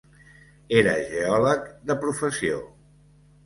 Era geòleg de professió.